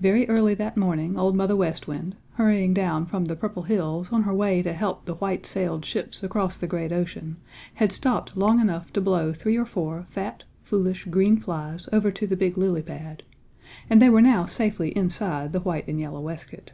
Very early that morning Old Mother West Wind, hurrying down from the Purple Hills on her way to help the white sailed ships across the great ocean, had stopped long enough to blow three or four fat, foolish, green flies over to the big lily pad, and they were now safely inside the white and yellow waistcoat.